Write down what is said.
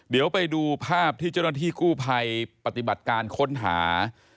เดี๋ยวไปดูภาพที่เจ้าหน้าที่กู้ภัยปฏิบัติการค้นหา